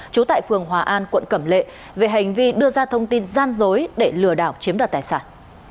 trú tại phường hòa an quận cẩm lệ về hành vi đưa ra thông tin gian dối để lừa đảo chiếm đoạt tài sản